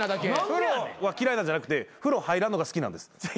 風呂は嫌いなんじゃなくて風呂入らんのが好きなんです。